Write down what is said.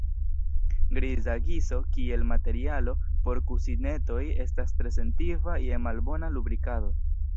Griza giso kiel materialo por kusinetoj estas tre sentiva je malbona lubrikado.